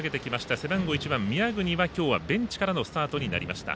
背番号１番宮國は今日はベンチからのスタートになりました。